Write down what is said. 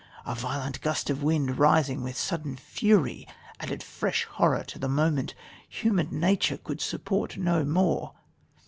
A violent gust of wind, rising with sudden fury, added fresh horror to the moment... Human nature could support no more